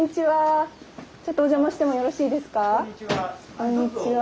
こんにちは。